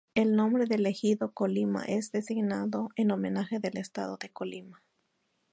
El nombre del ejido Colima, es designado en homenaje del estado de: Colima.